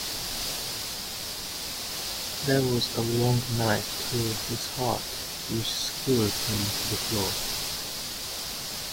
There was a long knife through his heart which skewered him to the floor.